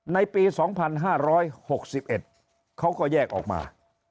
ในปี๒๕๖๑เขาก็แยกออกมา